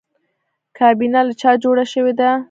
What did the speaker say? کابینه له چا جوړه شوې ده؟